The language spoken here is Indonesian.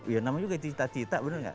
ya namanya juga cita cita bener gak